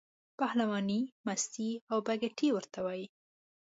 پهلوانۍ، مستۍ او بګتۍ ورته وایي.